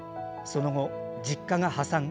その後、実家が破産。